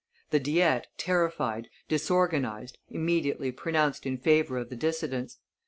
The Diet, terrified, disorganized, immediately pronounced in favor of the dissidents.